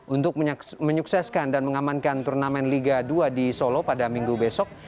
untuk menyukseskan dan mengamankan turnamen liga dua di solo pada minggu besok